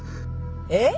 えっ！？